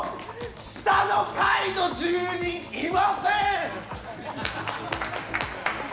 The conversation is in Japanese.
下の階の住人いません！